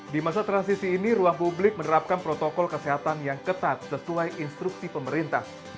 di masa transisi ini ruang publik menerapkan protokol kesehatan yang ketat sesuai instruksi pemerintah